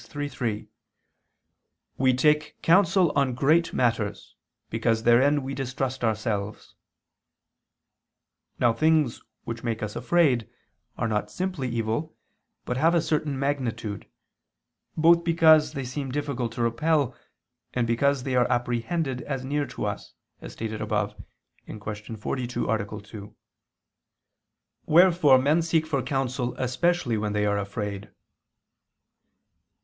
iii, 3), "we take counsel on great matters, because therein we distrust ourselves." Now things which make us afraid, are not simply evil, but have a certain magnitude, both because they seem difficult to repel, and because they are apprehended as near to us, as stated above (Q. 42, A. 2). Wherefore men seek for counsel especially when they are afraid.